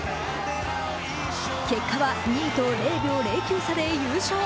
結果は２位と０秒０９差で優勝。